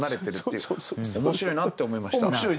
面白いなって思いました。